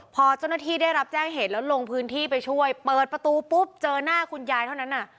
พอเจ้าหน้าที่ได้รับแจ้งเหตุแล้วลงพื้นที่ไปช่วยเปิดประตูปุ๊บเจอหน้าคุณยายเท่านั้น